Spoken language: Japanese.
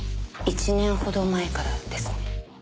１年ほど前からですね。